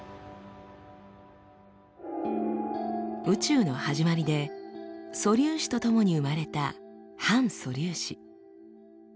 宇宙の始まりで素粒子とともに生まれた反素粒子。